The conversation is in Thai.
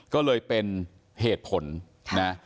ก็เลยเป็นเหตุผลนะ